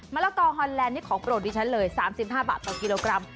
ละกอฮอนแลนด์นี่ของโปรดดิฉันเลย๓๕บาทต่อกิโลกรัม